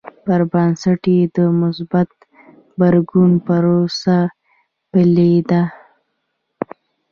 پر بنسټ یې د مثبت غبرګون پروسه پیلېده.